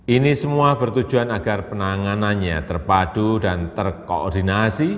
ini semua bertujuan agar penanganannya terpadu dan terkoordinasi